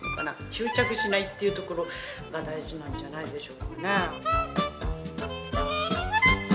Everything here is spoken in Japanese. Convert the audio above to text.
執着しないっていうところが大事なんじゃないでしょうかね。